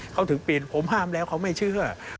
เขาถึงเปลี่ยนผมห้ามแล้วเขาไม่เชื่อ